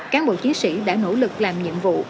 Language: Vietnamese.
cán bộ chiến sĩ đã nỗ lực làm nhiệm vụ